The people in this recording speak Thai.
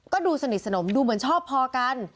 ก็ดูสนิทสนมดูเหมือนชอบพอกัน